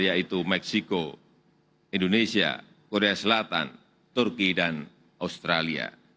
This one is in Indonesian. yaitu meksiko indonesia korea selatan turki dan australia